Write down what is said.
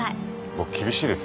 僕厳しいですよ。